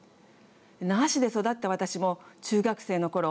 那覇市で育った私も中学生のころ